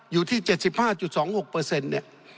อยู่ที่๗๕๒๖เนี่ย